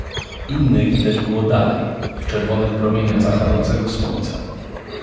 Innych widać było dalej, w czerwonych promieniach zachodzącego słońca.